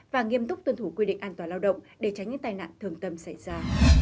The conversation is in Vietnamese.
và nghiêm túc tuân thủ quy định an toàn lao động để tránh những tai nạn thường tâm xảy ra